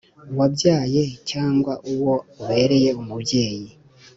wabyaye cyangwa uwo ubereye umubyeyi